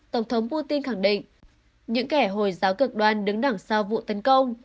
tổng thống putin khẳng định những kẻ hồi giáo cực đoan đứng đằng sau vụ tấn công